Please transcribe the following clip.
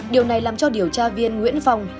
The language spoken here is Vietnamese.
điều này làm cho điều tra viên nguyễn phong